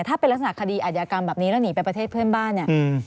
ถ้าเป็นลักษณะคดีอาจยากรรมแบบนี้แล้วหนีไปประเทศเพื่อนบ้านเนี่ย